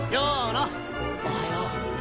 おはよう。